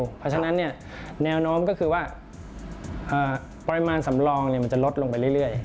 เพราะฉะนั้นแนวโน้มก็คือว่าปริมาณสำรองมันจะลดลงไปเรื่อย